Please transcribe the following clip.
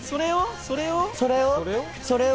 それを？